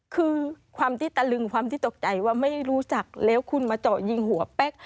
คือความที่ตะลึงความที่ตกใจว่าไม่รู้จักแล้วคุณมาเจาะยิงหัวแป๊ก